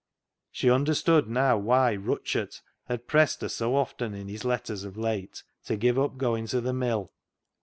She understood now why " Rutchart " had pressed her so often in his letters of late to give up going to the mill.